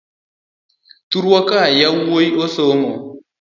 Thurwa ka yawuoi osomo.